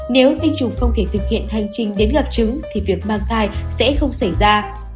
nếu tinh trùng không thể thực hiện hành trình đến gặp trứng thì việc mang thai sẽ không xảy ra